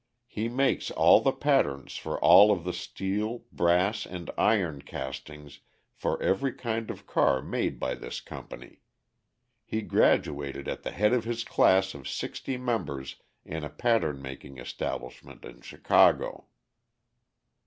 He makes all the patterns for all of the steel, brass, and iron castings for every kind of car made by this company. He graduated at the head of his class of sixty members in a pattern making establishment in Chicago.